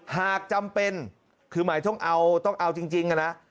หากจำเป็นคือหมายต้องเอาต้องเอาจริงนะ